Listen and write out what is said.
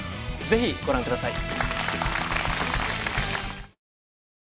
ぜひご覧ください